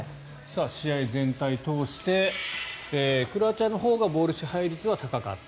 試合全体を通してクロアチアのほうがボール支配率は高かった。